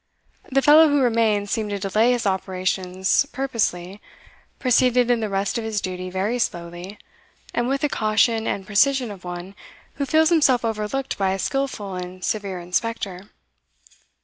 The fellow who remained seemed to delay his operations purposely, proceeded in the rest of his duty very slowly, and with the caution and precision of one who feels himself overlooked by a skilful and severe inspector.